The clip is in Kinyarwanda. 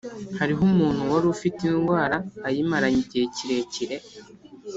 Hariho umuntu wari ufite indwara ayimaranye igihe kirekire